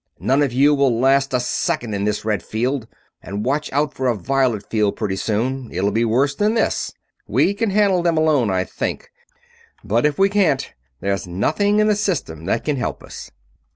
"None of you will last a second in this red field. And watch out for a violet field pretty soon it'll be worse than this. We can handle them alone, I think; but if we can't, there's nothing in the System that can help us!"